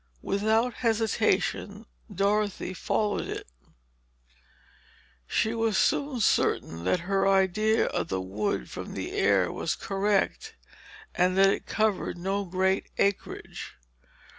Without hesitation, Dorothy followed it. She was soon certain that her idea of the wood from the air was correct, and that it covered no great acreage.